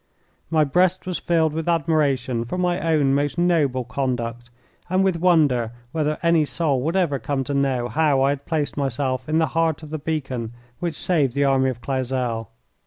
My breast was filled with admiration for my own most noble conduct, and with wonder whether any soul would ever come to know how I had placed myself in the heart of the beacon which saved the army of Clausel.